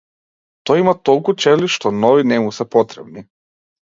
Тој има толку чевли што нови не му се потребни.